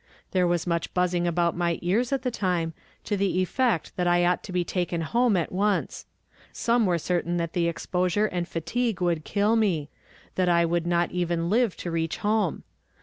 There was much huzzing ahout my ears at the time, to the effect that I ought to he taken home at once. Some were certain that the exposure and fatigue would kill me ; that I would not even live to reach home.